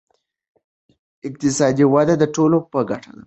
اقتصادي وده د ټولو په ګټه ده.